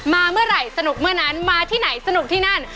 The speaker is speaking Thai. มาเมื่อไหร่สนุกเมื่อนั้นมาที่ไหนสนุกที่นั่น